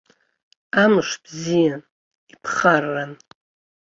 Амш бзиан, иԥхарран.